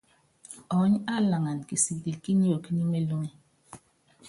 Ɔɔ́ny á laŋan kisikɛl kí niok ní melúŋe.